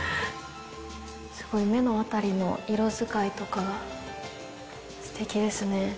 すごい、目のあたりの色使いとかがすてきですね。